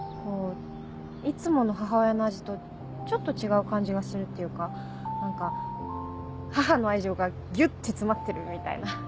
いつもの母親の味とちょっと違う感じがするっていうか何か母の愛情がギュって詰まってるみたいな。